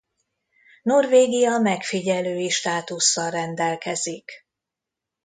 Norvégia megfigyelői státusszal rendelkezik.